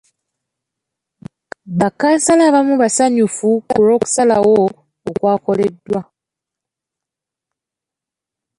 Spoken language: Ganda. Ba kansala abamu basanyufu ku lw'okusalawo okwakoleddwa.